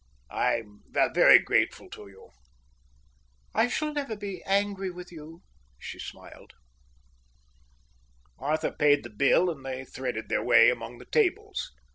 I'm very grateful to you." "I shall never be angry with you," she smiled. Arthur paid the bill, and they threaded their way among the tables.